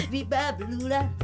biba belula adon mi baby